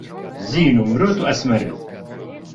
زین و مرۆت و ئەسمەر